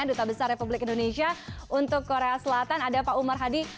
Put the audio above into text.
duta besar republik indonesia untuk korea selatan ada pak umar hadi